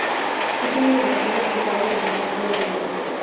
Es uno de los pocos que sabe sobre el pasado de Juli.